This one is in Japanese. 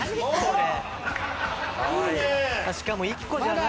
しかも１個じゃない。